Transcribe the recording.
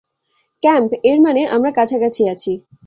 Camp, এর মানে আমরা কাছাকাছি আছি।